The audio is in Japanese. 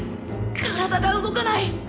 体が動かない。